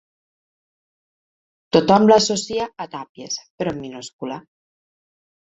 Tothom l'associa a tàpies, però en minúscula.